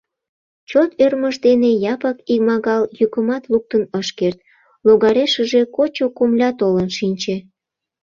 Чот ӧрмыж дене Япык икмагал йӱкымат луктын ыш керт, логарешыже кочо комля толын шинче.